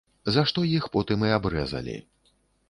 За што іх потым і абрэзалі.